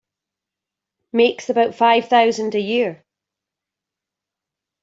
Makes about five thousand a year.